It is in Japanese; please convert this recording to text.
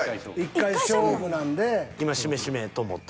１回勝負なんだ。